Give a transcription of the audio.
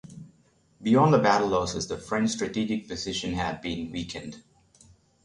Beyond the battle losses, the French strategic position had been weakened.